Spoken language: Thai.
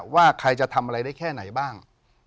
ว่าใครจะทำอะไรได้แค่ไหนบ้าง